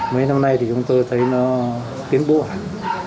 mấy năm nay thì chúng tôi thấy nó tiến bố hẳn